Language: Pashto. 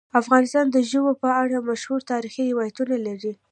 افغانستان د ژبو په اړه مشهور تاریخی روایتونه لري.